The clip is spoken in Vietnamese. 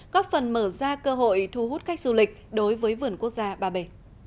góp phần mở ra cơ hội thu hút khách du lịch đối với vườn quốc gia ba bể